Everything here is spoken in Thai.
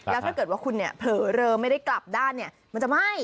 แล้วถ้าเกิดว่าคุณเนี่ยเผลอเลอไม่ได้กลับด้านเนี่ยมันจะไหม้